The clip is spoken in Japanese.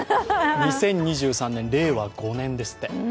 ２０２３年、令和５年ですって。